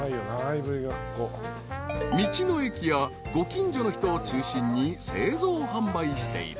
［道の駅やご近所の人を中心に製造販売している］